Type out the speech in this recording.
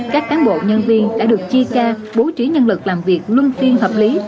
các cán bộ nhân viên đã được chia ca bố trí nhân lực làm việc luôn phiên hợp lý